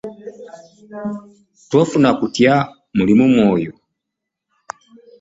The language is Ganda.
Tofuna okutya muli mu mwoyo?